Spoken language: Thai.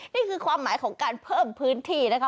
นี่คือความหมายของการเพิ่มพื้นที่นะคะ